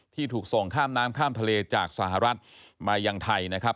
ที่ถูกส่งข้ามน้ำข้ามทะเลจากสหรัฐมายังไทยนะครับ